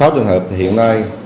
sáu trường hợp thì hiện nay